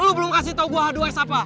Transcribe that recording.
lo belum kasih tau gue h dua s apa